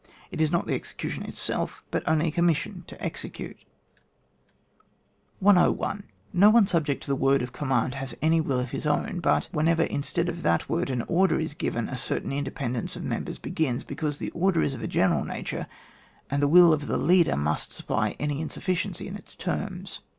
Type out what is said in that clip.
It is not the execution itself, but only a commis sion to execute. GUIDE TO TACTICS, OR TSE THEORY OF TEE COMBAT. 135 101. No one subject to the word of eonmiand has any will of his own ; but, whenever instead of that word an order is given, a certain independence of mem bers begins, because the order is of a general nature, and the will of the leader must supply any insu£iciency in its terms.